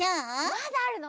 まだあるの？